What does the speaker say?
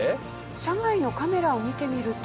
車外のカメラを見てみると。